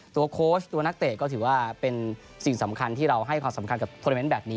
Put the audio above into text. โค้ชตัวนักเตะก็ถือว่าเป็นสิ่งสำคัญที่เราให้ความสำคัญกับโทรเมนต์แบบนี้